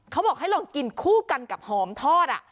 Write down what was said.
เขาบอกให้ลองกินคู่กันกับหอมทอด